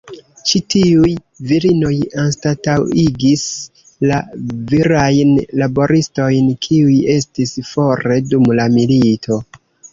Ĉi tiuj virinoj anstataŭigis la virajn laboristojn, kiuj estis fore dum la milito.